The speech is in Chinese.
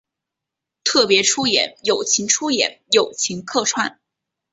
特别出演友情出演友情客串